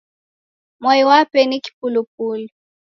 Mwai wape ni kipulupulu.